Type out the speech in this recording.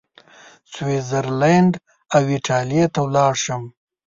سویس زرلینډ او ایټالیې ته ولاړ شم.